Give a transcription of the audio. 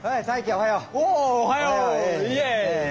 おはよう！